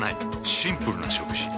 シンプルな食事。